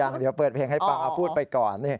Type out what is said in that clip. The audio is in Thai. ยังเดี๋ยวเปิดเพลงให้ฟังเอาพูดไปก่อน